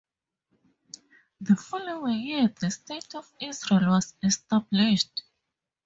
The following year the state of Israel was established.